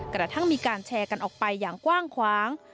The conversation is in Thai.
กระทั่งมีการแชร์กันออกไปอย่างกว้างขวาง